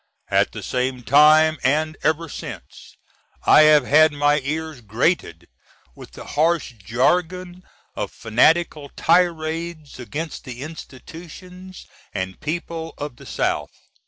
At the same time, & ever since, I have had my ears grated with the harsh jargon of fanatical tirades against the institutions & people of the South.